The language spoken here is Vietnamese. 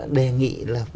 đề nghị là